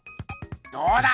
どうだ！